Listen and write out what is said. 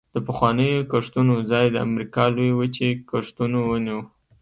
د پخوانیو کښتونو ځای د امریکا لویې وچې کښتونو ونیو